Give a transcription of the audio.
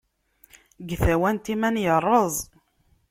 Deg tawant iman yerreẓ.